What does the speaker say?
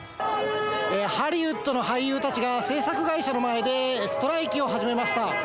ハリウッドの俳優たちが制作会社の前でストライキを始めました。